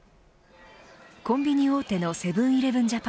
コンビニ大手のセブン‐イレブン